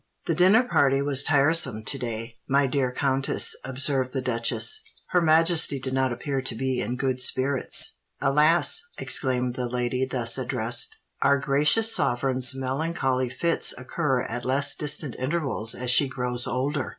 "The dinner party was tiresome to day, my dear countess," observed the duchess: "her Majesty did not appear to be in good spirits." "Alas!" exclaimed the lady thus addressed, "our gracious sovereign's melancholy fits occur at less distant intervals as she grows older."